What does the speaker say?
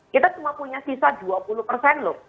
kita semua punya sisa dua puluh loh